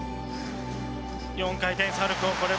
４回転サルコー